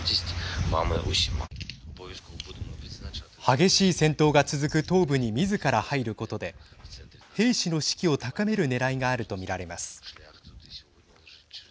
激しい戦闘が続く東部にみずから入ることで兵士の士気を高めるねらいがあると見られます。